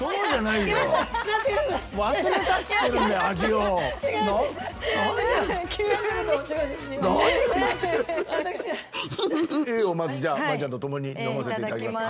Ａをまずじゃあ麻衣ちゃんとともに飲ませていただきます。